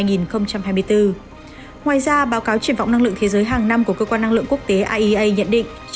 ngoài ra báo cáo triển vọng năng lượng thế giới hàng năm của cơ quan năng lượng quốc tế iea nhận định